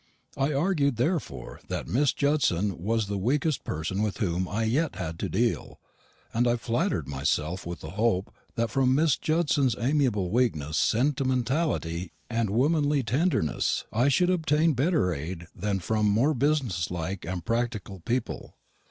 I argued, therefore, that Miss Judson was the weakest person with whom I had yet had to deal; and I flattered myself with the hope that from Miss Judson's amiable weakness, sentimentality, and womanly tenderness, I should obtain better aid than from more business like and practical people.